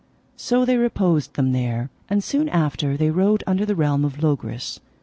So they reposed them there, and soon after they rode unto the realm of Logris.